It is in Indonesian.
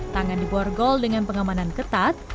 tangan diborgol dengan pengemanan ketat